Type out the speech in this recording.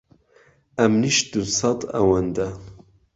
ئهمنیش دووسهت ئهوهنده